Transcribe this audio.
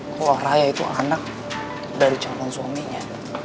kalo raya itu anak dari calon suaminya